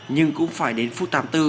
nhưng cũng phải đến phút tám bốn